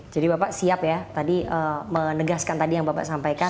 jadi bapak siap ya menegaskan tadi yang bapak sampaikan